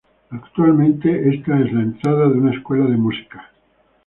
Actualmente, esta es la entrada de una escuela de música.